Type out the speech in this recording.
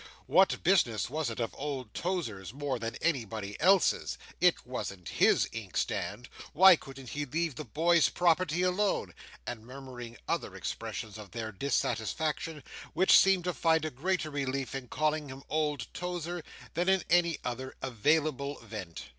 What business was it of old Tozer's more than anybody else's? It wasn't his inkstand. Why couldn't he leave the boys' property alone?" and murmuring other expressions of their dissatisfaction, which seemed to find a greater relief in calling him old Tozer, than in any other available vent.